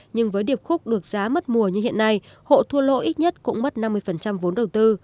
nhưng với điệp khúc được giá mất mùa như hiện nay hộ thua lỗ ít nhất cũng mất năm mươi vốn đầu tư